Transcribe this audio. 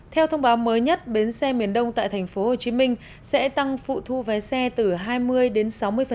theo thông báo mới nhất bến xe miền đông tại thành phố hồ chí minh sẽ tăng phụ thu vé xe từ hai mươi đến sáu mươi